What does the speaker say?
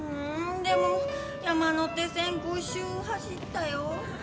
でも山手線５周走ったよ。